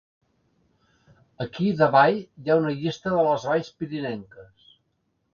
Aquí davall hi ha una llista de les valls pirinenques.